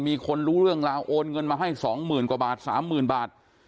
มีคนรู้เรื่องราวโอนเงินมาให้สองหมื่นกว่าบาทสามหมื่นบาท